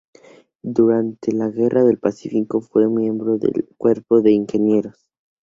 Durante la Guerra del Pacífico, fue miembro del cuerpo de Ingenieros.